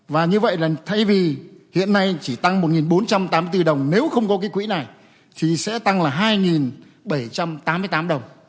và như vậy là thay vì hiện nay chỉ tăng một bốn trăm tám mươi tỷ đồng nếu không có cái quỹ này thì sẽ tăng là hai bảy trăm tám mươi tám đồng